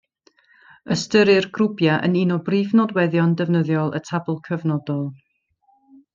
Ystyrir grwpiau yn un o brif nodweddion defnyddiol y tabl cyfnodol.